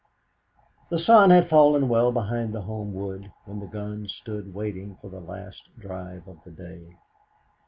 The sun had fallen well behind the home wood when the guns stood waiting for the last drive of the day.